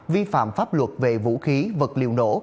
vi phạm pháp luật về vũ khí vật liệu nổ